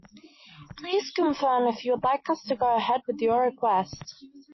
Please confirm if you would like us to go ahead with your request.